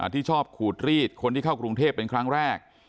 ที่ชอบขูดรีดคนที่เข้ากรุงเทพเป็นครั้งแรก